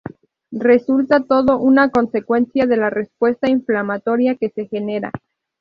Resulta todo una consecuencia de la respuesta inflamatoria que se genera.